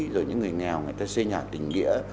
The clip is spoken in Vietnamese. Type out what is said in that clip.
rồi những người nghèo người ta xây nhà tình nghĩa